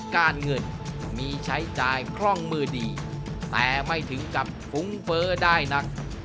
การเงินมีใช้จ่ายคล่องมือดีแต่ไม่ถึงกับฟุ้งเฟ้อได้นัก